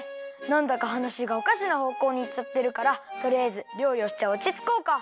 なんだかはなしがおかしなほうこうにいっちゃってるからとりあえずりょうりをしておちつこうか。